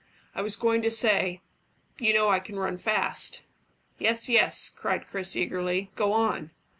"I was going to say, You know I can run fast." "Yes, yes," cried Chris eagerly. "Go on."